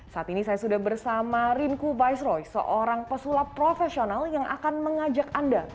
saat ini saya sudah bersama rinku baisroy seorang pesulap profesional yang akan mengajak anda